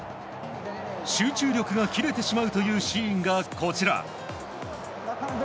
集中力が切れてしまうというシーンがこちら。